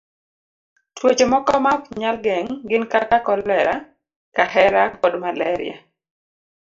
Tuoche moko ma ok nyal geng' gin kaka kolera, kahera, kod malaria.